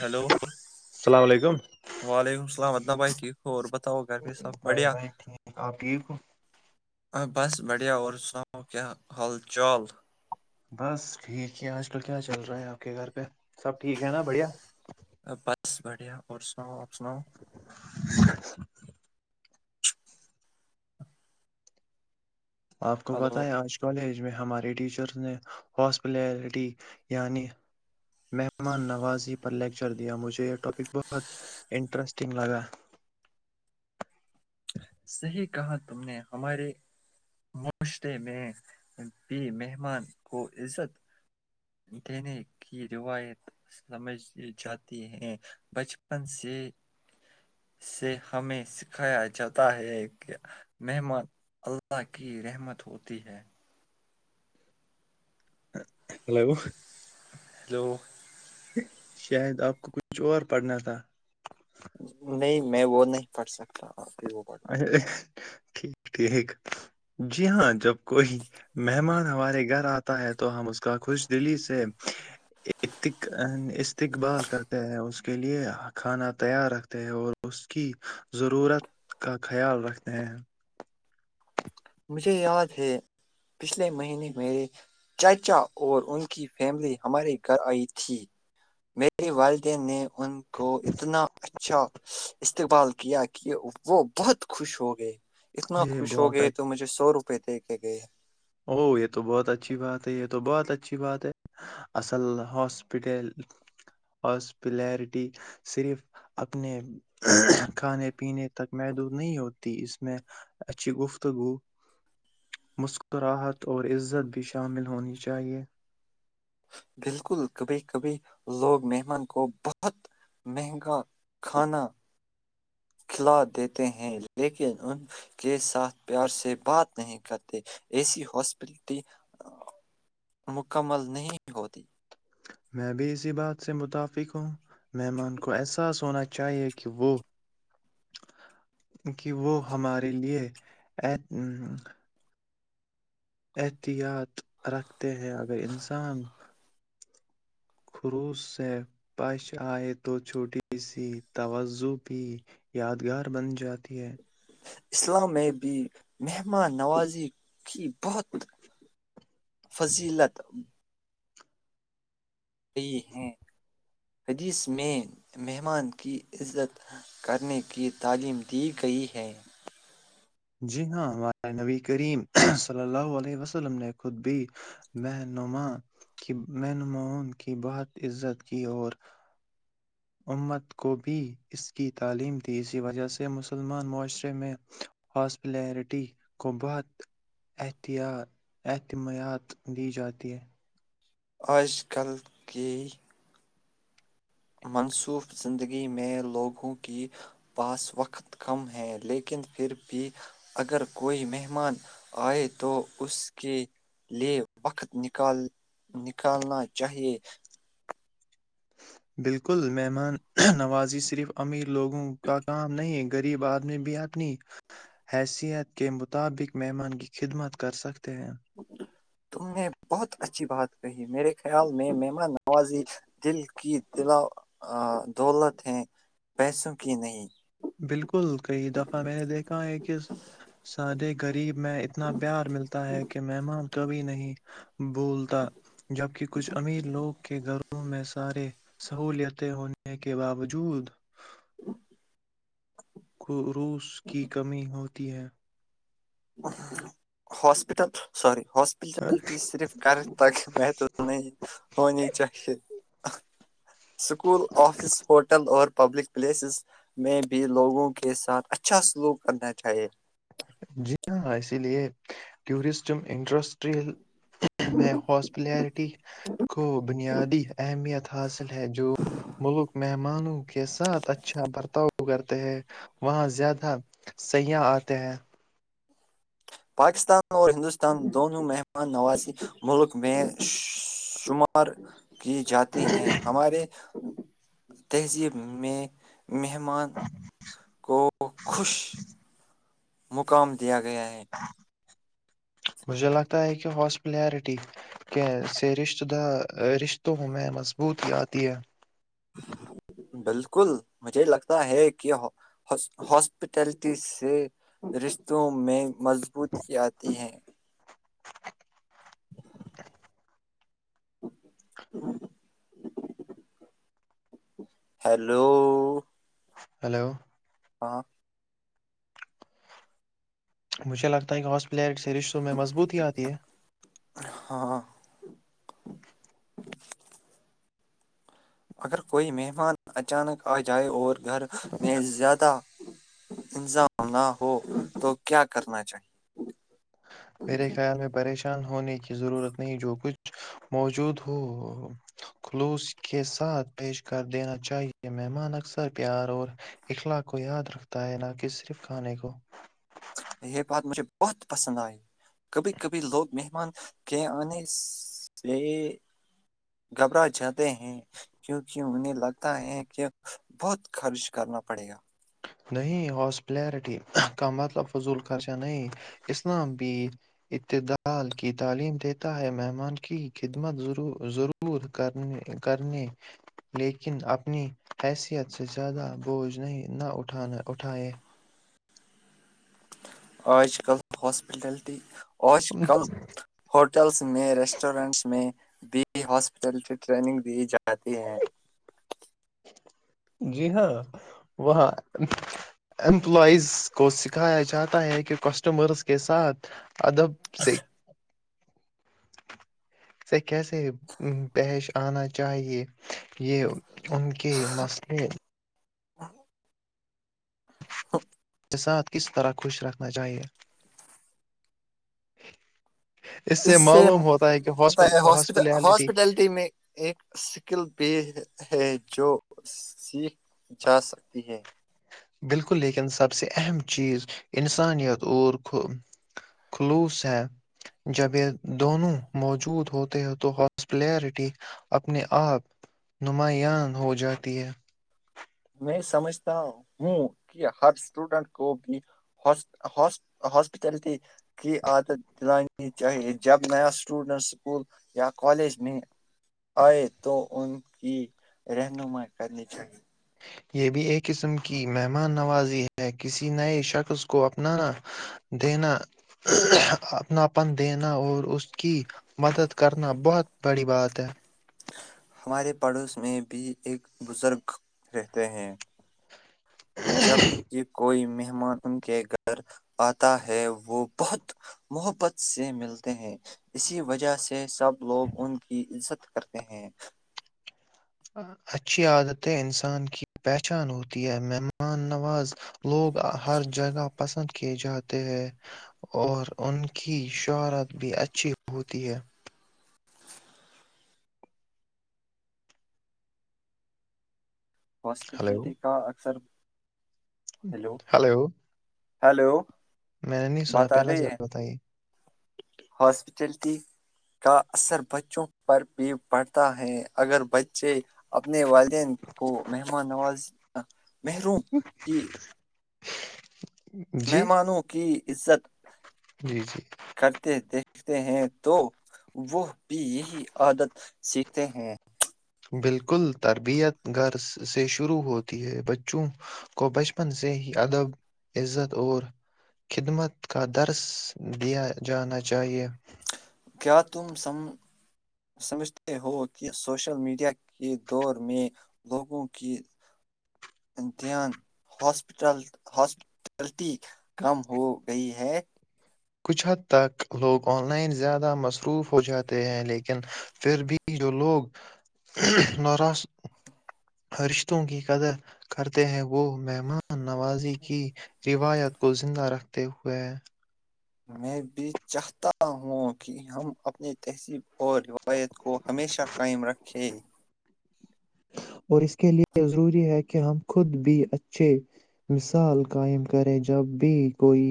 hello السلام علیکم وعلیکم السلام [unintelligible] ب بھائی ٹھیک ہو [unintelligible] سب بھائی بڑھیا بھائی ٹھیک آپ ٹھیک ہو [unintelligible] آ، بس بڑھیا اور سناؤ کیا حال چال [unintelligible] بس ٹھیک ہے آج کل کیا چل رہا ہے آپ کے گھر پہ [unintelligible] سب ٹھیک ہے نا بڑھیا [unintelligible] [inaudible] [inaudible] آ، بس بڑھیا اور ساپ [unintelligible] سناو [unintelligible] آپ کو پتہ ہلو ہے آج کالج [unintelligible] ہمارے ٹیچرز نے ہاسپلٹی یعنی مہمان نوازی پر لیکچر دیا مجھے یہ ٹاپک بہت انٹرسٹنگ لگا [unintelligible] صحیح کہا تم نے ہمارے معاشرے میں بھی مہمان کو عزت دینے کی روایت سمجھ جاتی ہے بچپن سے [unintelligible] سے ہمیں سکھایا جاتا ہے کہ مہمان اللہ کی رحمت ہوتی ہے [unintelligible] ہلو [inaudible] دو [unintelligible] شاید اپ کو کچھ اور پڑھنا تھا نہیں، میں وہ نہیں پڑھ سکتا آپ ہی وہ پڑھ ٹھیک [unintelligible] ٹھیک جی ہاں جب کوئی مہمان ہمارے گھر آتا [inaudible] تو ہم اس کا خوش دلی سے استقبال کرتے ہیں اس کے لیے کھانا تیار رکھتے ہیں اور اس کی ضرورت کا خیال رکھتے ہیں [unintelligible] مجھے یاد ہے پچھلے مہینے میرے چاچا اور ان کی فیملی ہمارے گھر آئی تھی میرے والدین نے ان کو اتنا اچھا استقبال کیا کہ وہ بہت خوش ہوگئے اتنا یہ خوش بہت ہوگئے اچ- سو روپئے دے کے گئے ہے او جو یھ تو بہت اچھی بات ہے یہ تو بہت اچھی بات ہے اصل ہاسپٹل ہاسپلیرٹی صرف اپنے کھانے پینے تک محدود نہیں ہوتی اس میں اچھی گفتگو مکل راحت اور عزت بھی شامل ہونی چاہیے بالکل کبھی کبھی لوگ مہمان کو بہت مہنگا کھانا کھلا دیتے ہیں لیکن ان کے ساتھ پیار سے بات نہیں کرتے ایسی ہاسپٹلٹی مکمل نہیں ہوتی میں بھی اسی بات سے متفق ہوں مہمان کو احساس ہونا چاہیے کہ وہ کہ وہ ہمارے لیے احتیاط رکھتے ہیں اگر انسان [inaudible] خلوس سے پیش آئے تو چھوٹی سی توجہ بھی یادگار بن جات اتی ہے اسلام میں بھی مہمان نوازی کی بہت فضیلت دی ہیں حدیث میں مہمان کی عزت کرنے کی تعلیم دی گئی ہے جی ہاں ہمارا نبی کریم صلی اللہ علیہ وسلم نے خود بھی مھما نوں کی بہت عزت کی اور امت کو بھی اس کی تعلیم تھی اسی وجہ سے مسلمان معاشرے میں ہاسپٹلرٹی کو بہت احتیاط احتیاط دی جاتی ہے آج کل کے منسوف زندگی میں لوگوں کی پاس وقت کم ہیں لیکن پھر بھی اگر کوئی مہمان آئے تو اس کے لیے وقت نکال نکالنا چاہیے بالکل مہمان نوازی صرف امیر لوگوں کا کام نہیں غریب آدمی بھی اپنی حیثیت کے مطابق مہمان کی خدمت کر سکتے ہیں تم نے بہت اچھی بات کہی میرے خیال میں ممان نوازی دل کی دلا دولت ہیں پیسوں کی نہیں بالکل بالکل کئی دفعہ میں نے دیکھا ہے کہ سادے غریب میں اتنا پیار ملتا ہے کہ مہمان کبھی نہیں بولتا جبکہ کچھ امیر لوگ کے گھر گھروں میں سارے سہولتیں ہونے کے باوجود [unintelligible] ھوس کی کمی ہو تی ہیں ہاسپٹل ساری ہاسپٹلٹی صرف کر تک محتو نہیں ہونی چاہیے اسکول آفس ہوٹل اور پبلک پلیسز میں بھی لوگوں کے ساتھ اچھا سلوک کرنا چاہیے جی ہاں اسی لیے ٹورسٹ انٹرسٹ ریل میں ہاسپلیرٹی کو بنیادی اہمیت حاصل ہے جو ملک میں مانوں کے ساتھ اچھا برتاؤ کرتے ہیں وہاں زیادہ سیاح آتے ہیں پاکستان اور ہندوستان دونوں مہمان نوازی ملک میں شمار کی جاتے ہیں ہمارے تذ میں مہمان کو خوش مقام دیا گیا ہے مجھے لگتا ہے کہ ہاسپلیرٹی سے رشتوں میں مضبوطی آتی ہے بالکل مجھے لگتا ہے کہ ہاسپٹلٹی سے رشتوں میں مضبوط کی آتی ہیں ہیلو ہیلو ہاں مجھے لگتا ہے کہ ہاسپلیٹس رشوں میں مضبوط آتی ہے ہاں اگر کوئی مہمان اچانک آ جائے اور گھر میں زیادہ انظام نہ ہو تو کیا کرنا چاہیے میرے خیال میں پش چان ہونے کی ضرورت نہیں جو کچھ موجود ہو خلوص کے ساتھ پیش کر دینا چاہیئے مہمان اکثر پیار اور اخلاق کو یاد رکھتا ہے نہ کہ صرف کھانے کو یہ بات مجھے بہت پسند آئی کبھی کبھی لوگ مہمان کے آنے سے گھبرا جاتے ہیں کیونکہ انہیں لگتا ہے کہ بہت خرچ کرنا پڑے گا نہیں ہاسپلیرٹی کا مطلب فضول خرچہ نہیں اسلام بھی ابتدال کی تعلیم دیتا ہے مہمان کی خدمت ضرور کر کرنے لیکن اپنی حیثیت سے زیادہ بوجھ نہیں نہ اٹھ اٹھانا اٹھاائے آج کل ہاسپٹلٹی آج کل ہوٹلس میں ریسٹورینٹس میں دی ہاسپٹال ٹگ دی جا جی ہیں جی ہاں وہاں امپلائز کو سکھایا جاتا ہے کہ کسٹمرس کے ساتھ اد س سے کیسے پیش آنا چاہیے یہ ان کے مسئلے کے ساتھ کس طرح خوش رکھنا چاہیے اس سے معلوم ہوتا ہے کہ ہاسپل ہسپ ہاسپٹیلٹی ہاسپٹلٹی میں ایک سکل بھی ہے جو سیکھ جا سکتی ہے بالکل لیکن سب سے اہم چیز انسانیت اور خلوص ہے جب یہ دونوں موجود ہوتے ہیں تو ہاسپلییرٹی اپنے آپ نماان ہو جاتی ہے میں سمجھتا ہوں کہ ہر اسٹوڈنٹ کو بھی ہاسپٹلٹی کی عادت دلانی چاہئے جب نیا اسٹوڈنٹ اسکول یا کالج میں آئے تو ان کی رہنمائی کرنی چاہیئے یہ بھی ایک قسم کی مہمان نوازی ہے کسی نئے شخص کو اپنا دینا اپناپن دینا اور اس کی مدد کرنا بہت بڑی بات ہے ہمارے پڑوس میں بھی ایک بزرگ رہتے ہیں جب یہ کوئی میں مہمان ان کے گھر آتا ہے وہ بہت محبت سے ملتے ہیں اسی وجہ سے سب لوگ ان کی عزت کرتے ہیں اچھی عادتیں انسان کی پہچان ہوتی ہیں مہمان نواز لوگ ہر جگہ پسند کیے جاتے ہیں اور ان کی شہرت بھی اچھی ہوتی ہے ہلو ہاسپٹلٹی کا اکثر ہلو ہلو میں نے نہیں سنا بات آ پہلا رہی سے ہے بتائیے ہاسپٹلٹی کا اثر بچوں کے پر بھی پڑھتا ہے اگر بچے اپنے والدین کو مہمان نواز محروم جی [unintelligible] [inaudible] جی مہمانوں کی عزت جی جی کرتے دیکھتے ہیں تو وہ بھی یہی عادت سیکھتے ہیں بالکل تربیت گر سے شروع ہوتی ہے بچوں کو بچپن سے ہی ادب عزت اور خدمت کا درس دیا جانا چاہیے کیا تم سمجھتے ہو کہ سوشل میڈیا کے دور میں لوگوں کی دھیانپ ہاسپٹلٹی کم ہو گئی ہے کچھ حد تک لوگ آن لائن زیادہ مصروف ہو جاتے ہیں لیکن پھر بھی جو لوگ نوراش رشتوں کی قدر کرتے ہیں وہ مہمان نوازی کی روایت کو زندہ رکھتے ہوئے ہیں میں بھی چاہتا ہوں کہ ہم اپنی تہذیب اور روایت کو ہمیشہ قائم رکھیں اور اس کے لئے ضروری ہے کہ ہم خود بھی اچھے مثال قائم کریں جب بھی کوئی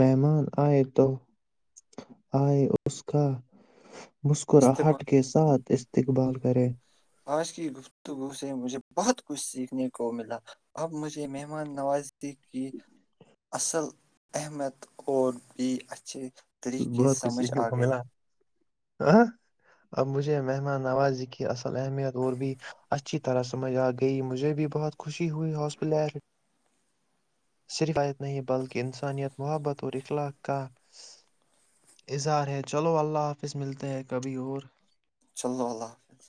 مہمان آئے تو آئے اس کا استب مسکراہٹ کے ساتھ اس اسقبال کرے آج کی گفتگو سے مجھے بہت کچھ سیکھنے کو ملا اب مجھے مہمان نوازی کی اصل احمیت اور بھی اچھے طریقے بہت کچھ سمجھ سیکھنے آ کو گئی ملا ہ اب مجھے مہمان نوازی کی اصل اہمیت اور بھی اچھی طرح سمجھ آ گئی مجھے بھی بہت خوشی ہوئی ہاسپٹ صرف فایت نہیں بلکہ انسانیت محبت اور اخلاق کا [inaudible] اظہار ہے چلو اللہ حافظ ملتے ہیں کبھی اور چلو اللہ حافظ